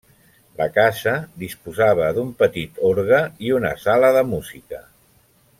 La casa disposava d'un petit orgue i una sala de música.